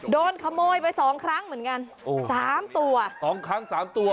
โดนขโมยไปสองครั้งเหมือนกันโอ้สามตัวสองครั้งสามตัว